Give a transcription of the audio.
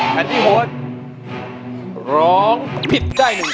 แผ่นที่๖ร้องผิดได้๑